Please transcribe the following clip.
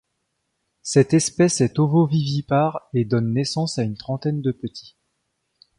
Cette espèce est ovovivipare et donne naissance à une trentaine de petits.